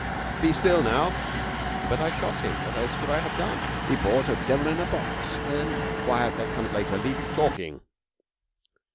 Be still now.' 'But I shot him. What else could I have done? He bought a devil in a box, and ' 'Quiet! That comes later. Leave talking.'